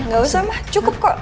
gak usah mah cukup kok